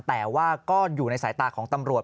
แต่ว่าก็อยู่ในสายตาของตำรวจ